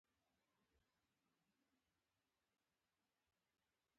بوټونه باید په مینه اغوستل شي.